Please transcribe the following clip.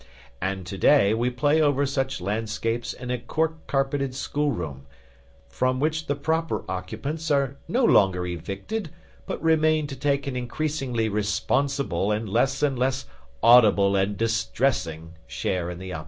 And to day we play over such landscapes in a cork carpeted schoolroom, from which the proper occupants are no longer evicted but remain to take an increasingly responsible and less and less audible and distressing share in the operations.